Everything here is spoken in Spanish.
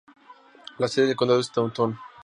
La sede del condado es Taunton.